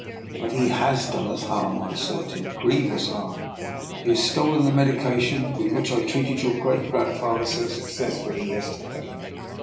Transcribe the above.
But he has done us harm," I asserted — grievous harm. He has stolen the medi cine with which I treated your great grand father so successfully yesterday."